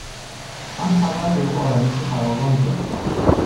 آن خبر به او آرامش فراوانی داد.